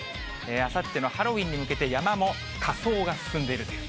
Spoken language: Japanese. あさってのハロウィーンに向けて、山も仮装が進んでいるという、